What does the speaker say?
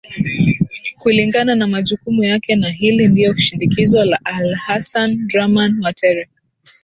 kulingana na majukumu yake na hili ndio shindikizo la alhasan draman watere